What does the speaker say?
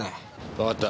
わかった。